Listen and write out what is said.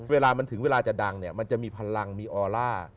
เวลามันถึงเวลาจะดังเนี่ยมันจะมีพลังมีออร่า